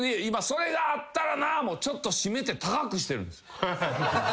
今「それがあったらな」もちょっと締めて高くしてるんです。